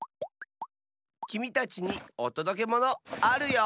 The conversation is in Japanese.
きみたちにおとどけものあるよ！